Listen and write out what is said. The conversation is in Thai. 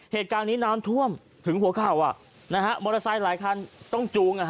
เหตุการณ์นี้น้ำท่วมถึงหัวเข่ามอเตอร์ไซค์หลายคันต้องจูง